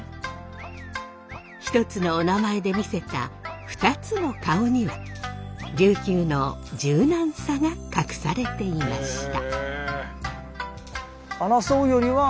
１つのお名前で見せた２つの顔には琉球の柔軟さが隠されていました。